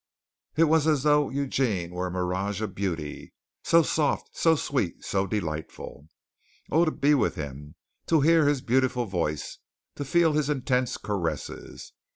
It was as though Eugene were a mirage of beauty, so soft, so sweet, so delightful! Oh, to be with him; to hear his beautiful voice; to feel his intense caresses!